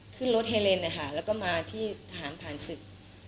ขึ้นรถเฮเลนนะคะแล้วก็มาที่ทหารผ่านศึก